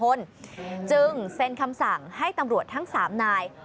ป้องช่วยเหลือประชาชนจึงเซ็นคำสั่งให้ตำรวจทั้ง๓นาย